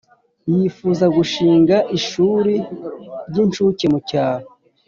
yifuza gushinga ishuri ry incuke mu cyaro